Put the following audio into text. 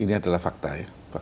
ini adalah fakta ya